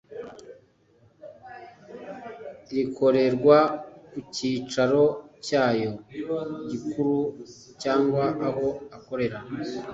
rikorerwa ku cyicaro cyayo gikuru cyangwa aho akorera